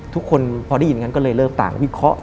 ทุกคนพอได้ยินอย่างนั้นก็เลยเริ่มต่างวิเคราะห์